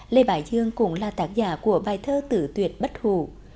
lê bả dương cũng là tác giả của bài thơ tử tuyệt bất hủ